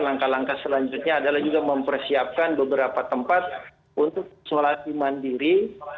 langkah langkah selanjutnya adalah juga mempersiapkan beberapa tempat untuk isolasi mandiri